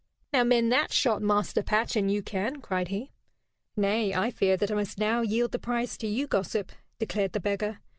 "Now mend that shot, Master Patch, an you can," cried he. "Nay, I fear that I must now yield the prize to you, gossip," declared the beggar.